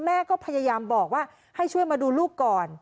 แม่ก็พยายามบอกว่าให้ช่วยมาดูลูกก่อน